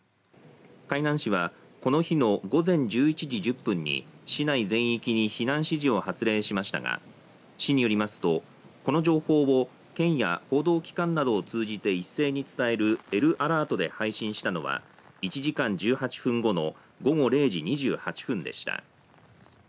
海南市はこの日の午前１１時１０分に市内全域に避難指示を発令しましたが市によりますと、この情報を県や報道機関などを通じて一斉に伝えるＬアラートで配信したのは１時間１８分後の午後０時２８分でした。